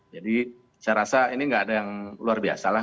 jadi saya rasa ini nggak ada yang luar biasa lah